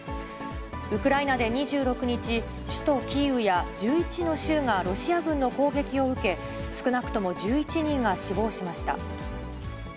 ウクライナで２６日、首都キーウや１１の州がロシア軍の攻撃を受け、少なくとも１１人が死亡しました。